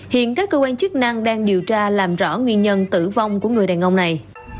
hiện các cơ quan chức năng đang điều tra làm rõ nguyên nhân tử vong của người đàn ông này